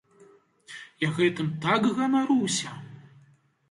Я гэтым так ганаруся!